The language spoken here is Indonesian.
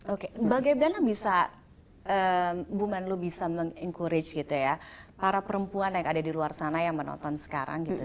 oke bagaimana bisa bu menlu bisa meng encourage gitu ya para perempuan yang ada di luar sana yang menonton sekarang gitu